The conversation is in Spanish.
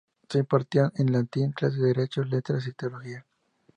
Se impartían, en latín clases de derecho, letras y teología.